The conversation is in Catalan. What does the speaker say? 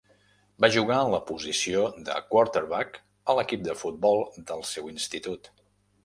Va jugar en la posició de quarterback a l'equip de futbol del seu institut.